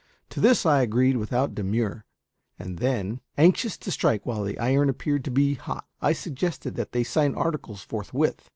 To this I agreed without demur, and then, anxious to strike while the iron appeared to be hot, I suggested that they should sign articles forthwith.